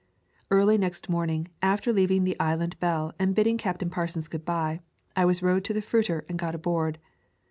Early next morning, after leaving the Island Belle and bidding Captain Parsons good bye, I was rowed to the fruiter and got aboard.